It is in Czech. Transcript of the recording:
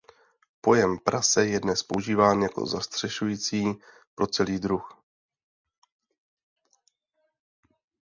Pojem prase je dnes používán jako zastřešující pro celý druh.